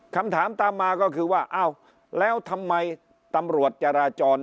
คำถามตามมาก็คือว่าอ้าวแล้วทำไมตำรวจจราจร